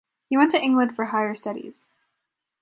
He went to England for higher studies.